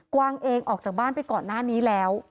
วางเองออกจากบ้านไปก่อนหน้านี้แล้ว